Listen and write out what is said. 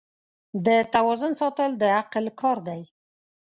د توازن ساتل د عقل کار دی.